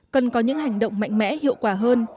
cần có những hành động mạnh mẽ hiệu quả hơn